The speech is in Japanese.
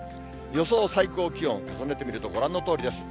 予想最高気温を重ねてみると、ご覧のとおりです。